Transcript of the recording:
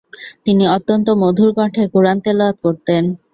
তিনি অত্যন্ত মধুর কন্ঠে কুরআন তিলাওয়াত করতেন।